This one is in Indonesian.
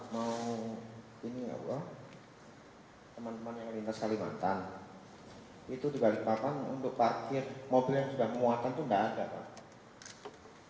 mau ini apa teman teman yang lintas kalimantan itu di balikpapan untuk parkir mobil yang sudah muatan itu nggak ada pak